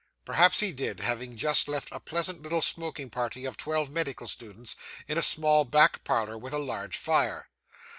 Perhaps he did, having just left a pleasant little smoking party of twelve medical students, in a small back parlour with a large fire.